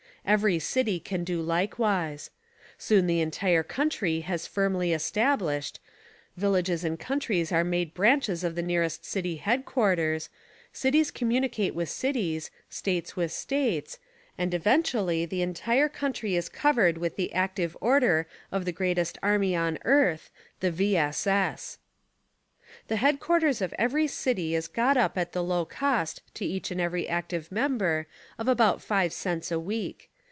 Every city can do likevv'ise. Soon the entire country has firmly established ; villages and countries are made branches of the nearest city headquarters ; cities communicate with cities, states with states, and, eventually, the entire country is covered with the active order of the greatest army on earth, the V. S. S. _ The headquarters of every city is got up at the low cost to each and every active member of about five cents a week.